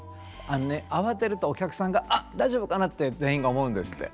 あのね慌てるとお客さんが「あっ大丈夫かな？」って全員が思うんですって。